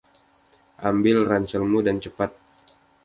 Ambil ranselmu dan cepat!